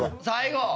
最後。